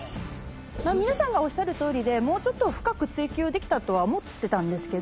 皆さんがおっしゃるとおりでもうちょっと深く追求できたとは思ってたんですけど